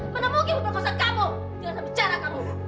mana mungkin memperkosa kamu jangan asal bicara kamu